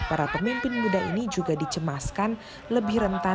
para pemimpin muda ini juga dicemaskan lebih rentan